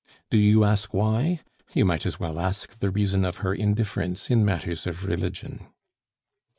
Do you ask why? You might as well ask the reason of her indifference in matters of religion.